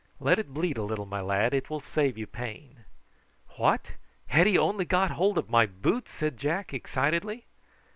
Let it bleed a little, my lad; it will save you pain." "What! had he only got hold of my boot?" said Jack excitedly.